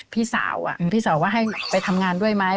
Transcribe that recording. พี่สาวพี่สาวว่าให้ไปทำงานด้วยไหม